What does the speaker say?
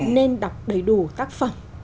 nên đọc đầy đủ tác phẩm